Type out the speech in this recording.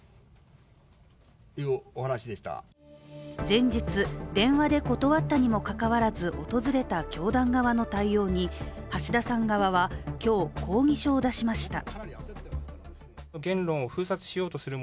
前日、電話で断ったにもかかわらず訪れた教団側の対応に橋田さん側は、今日、抗議書を出しました。